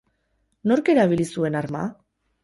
Nork erabili zuen arma?